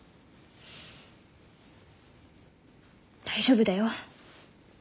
大丈夫だよ。